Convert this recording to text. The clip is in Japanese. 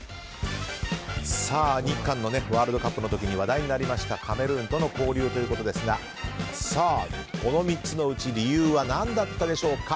日韓のワールドカップの時に話題になりましたカメルーンとの交流ということですがこの３つのうち理由はなんだったでしょうか。